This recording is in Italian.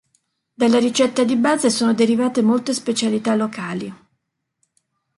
Dalla ricetta di base, sono derivate molte specialità locali.